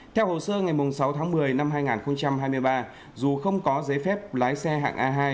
theo hồ sơ ngày sáu tháng một mươi năm hai nghìn hai mươi ba dù không có giấy phép lái xe hạng a hai